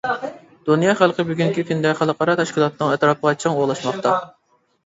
دۇنيا خەلقى بۈگۈنكى كۈندە، خەلقئارا تەشكىلاتنىڭ ئەتراپىغا چىڭ ئولاشماقتا.